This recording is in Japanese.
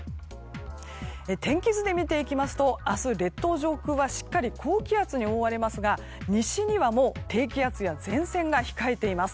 天気図で見ていきますと明日、列島上空は高気圧に覆われますが西には、もう低気圧や前線が控えています。